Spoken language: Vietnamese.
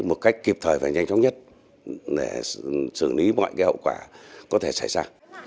một cách kịp thời và nhanh chóng nhất để xử lý mọi hậu quả có thể xảy ra